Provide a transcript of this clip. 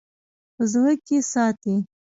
په زړه کښې ساتي--